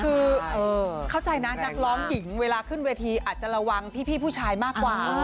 คือเข้าใจนะนักร้องหญิงเวลาขึ้นเวทีอาจจะระวังพี่ผู้ชายมากกว่า